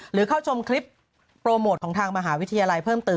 หรือเข้าชมคลิปโปรโมทของทางมหาวิทยาลัยเพิ่มเติม